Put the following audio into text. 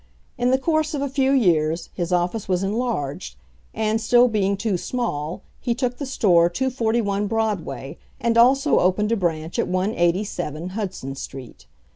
In the course of a few years, his office was enlarged; and still being too small, he took the store 241 Broadway, and also opened a branch at 187 Hudson street.